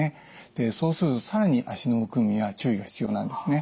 そうすると更に脚のむくみには注意が必要なんですね。